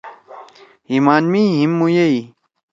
ہیِمان مے ھیم مویئ